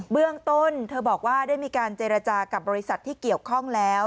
เรื่องต้นเธอบอกว่าได้มีการเจรจากับบริษัทที่เกี่ยวข้องแล้ว